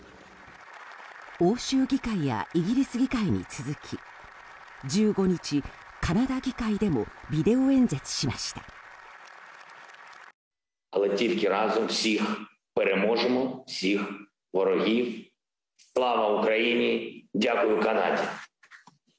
欧州議会やイギリス議会に続き１５日、カナダ議会でもビデオ演説しました。